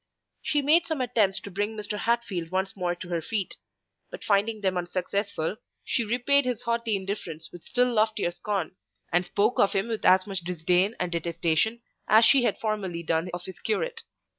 She made some attempts to bring Mr. Hatfield once more to her feet; but finding them unsuccessful, she repaid his haughty indifference with still loftier scorn, and spoke of him with as much disdain and detestation as she had formerly done of his curate.